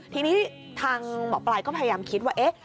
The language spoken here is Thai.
ทีนี้ทางหมอปลายก็พยายามคิดว่าเอ๊ะ